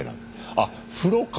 あ風呂か。